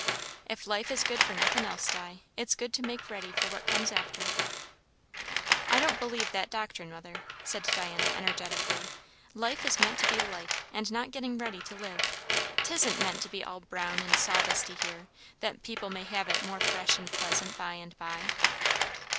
"If life is good for nothin' else, Di, it's good to make ready for what comes after." "I don't believe that doctrine, mother," said Diana energetically. "Life is meant to be life, and not getting ready to live. 'Tisn't meant to be all brown and sawdusty here, that people may have it more fresh and pleasant by and by."